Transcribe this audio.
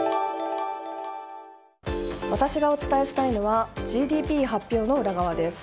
私がお伝えしたいのはＧＤＰ発表の裏側です。